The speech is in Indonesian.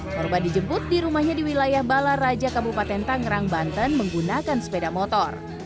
korban dijemput di rumahnya di wilayah bala raja kabupaten tangerang banten menggunakan sepeda motor